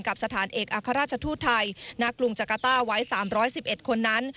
สถานเอกอัครราชทูตไทยณกรุงจักรต้าไว้๓๑๑คนนั้น